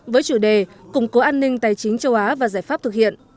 với chủ đề củng cố an ninh tài chính châu á và giải pháp thực hiện